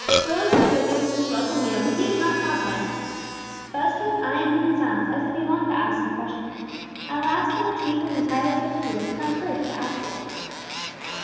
Joel was so busy with this welcome meal that he did not talk much. Buz kept eying him in silence, as if he longed to ask some question. At last, when the cheese had entirely disappeared, he found courage to ask it.